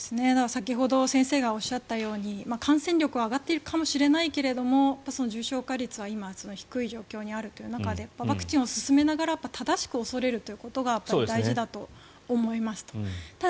先ほど先生がおっしゃったように感染力は上がっているかもしれないけど重症化率は低い状況にあるという中でワクチンを進めながら正しく恐れるということが大事だと思いました。